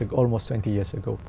hai mươi năm trước